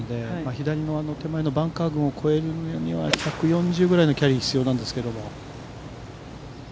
左の手前のバンカー群を越えるには１４０ぐらいのキャリーが必要なんですけども。